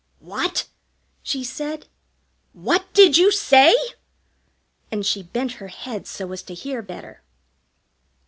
"What!" she said. "What did you say?" And she bent her head so as to hear better.